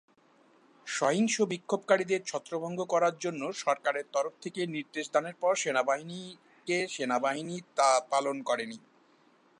সহিংস বিক্ষোভকারীদের ছত্রভঙ্গ করার জন্য সরকারের তরফ থেকে নির্দেশ দানের পর সেনাবাহিনীকে সেনাবাহিনী তা পালন করে নি।